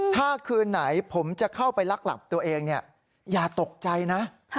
ถ้าคืนไหนผมจะเข้าไปลักหลับตัวเองอย่าตกใจนะ